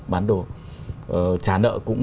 bán đồ trả nợ cũng